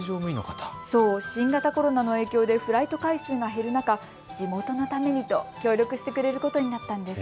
新型コロナの影響でフライト回数が減る中、地元のためにと協力してくれることになったんです。